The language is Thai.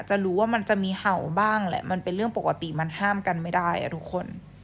จะรู้ว่ามันจะมีเห่าบ้างแหละมันเป็นเรื่องปกติมันห้ามกันไม่ได้ทุกคน